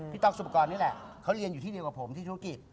ต๊อกสุปกรณ์นี่แหละเขาเรียนอยู่ที่เดียวกับผมที่ธุรกิจ